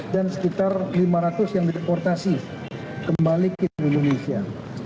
dan sekitar lima ratus yang dideportasi kembali ke indonesia